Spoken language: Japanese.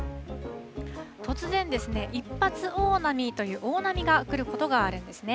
突然ですね、一発大波という大波がくることがあるんですね。